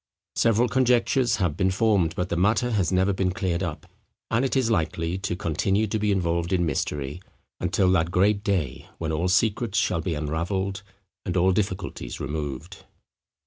Several conjectures have been formed, but the matter has never been cleared up; and it is likely to continue to be involved in mystery, until that great day when all secrets shall be unravelled, and all difficulties removed.